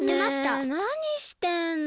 ねえなにしてんの？